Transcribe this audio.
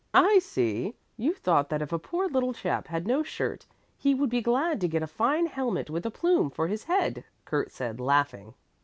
"I see! You thought that if a poor little chap had no shirt, he would be glad to get a fine helmet with a plume for his head," Kurt said laughing.